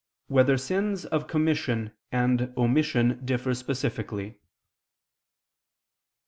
6] Whether Sins of Commission and Omission Differ Specifically?